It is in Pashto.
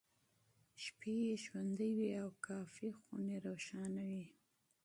شپې یې ژوندۍ وې او کافيخونې روښانه وې.